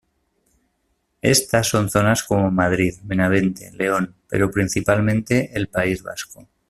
Estas son zonas como Madrid, Benavente, León, pero principalmente el País Vasco.